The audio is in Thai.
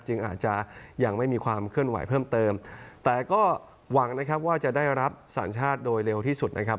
อาจจะยังไม่มีความเคลื่อนไหวเพิ่มเติมแต่ก็หวังนะครับว่าจะได้รับสัญชาติโดยเร็วที่สุดนะครับ